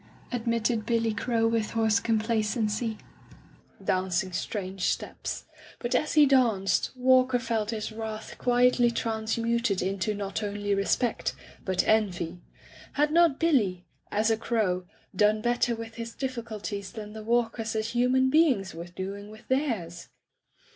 '' admitted Billy Crow with hoarse complacency, dancing strange steps; but as he danced, Walker felt his wrath quietly transmuted into not only respect, but envy. Had not Billy— as a fcrow— done better with his difficulties than the Walkers as human beings were doing with theirs?